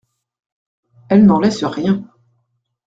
Elle n'en laisse rien.